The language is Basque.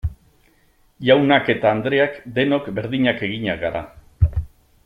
Jaunak eta andreak denok berdinak eginak gara.